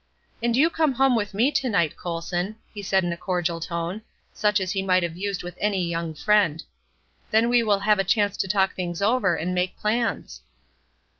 "And you come home with me to night, Colson," he said in a cordial tone, such as he might have used with any young friend; "then we shall have a chance to talk things over and make plans."